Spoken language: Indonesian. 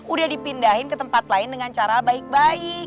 udah dipindahin ke tempat lain dengan cara baik baik